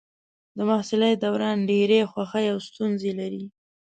د محصلۍ دوران ډېرې خوښۍ او ستونزې لري.